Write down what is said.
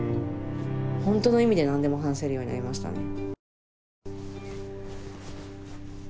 ほんとの意味で何でも話せるようになりましたね。